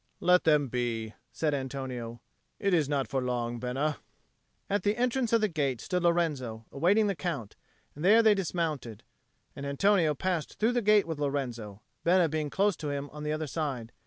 "Let them be," said Antonio. "It is not for long, Bena." At the entrance of the gate stood Lorenzo, awaiting the Count, and there they dismounted, and Antonio passed through the gate with Lorenzo, Bena being close to him on the other side.